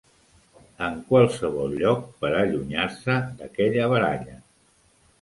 En qualsevol lloc per allunyar-se d'aquella baralla.